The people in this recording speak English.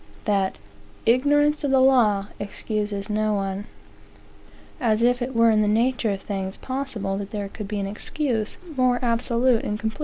that "ignorance of the law excuses no one." As if it were in the nature of things possible that there could be an excuse more absolute and complete.